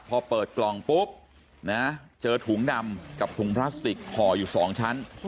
พอเปิดกล่องปุ๊บนะเจอถุงดำกับถุงพลาสติกห่ออยู่๒ชั้น